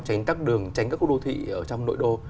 tránh các đường tránh các khu đô thị ở trong nội đô